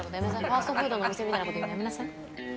ファストフードのお店みたいなこと言うのやめなさい。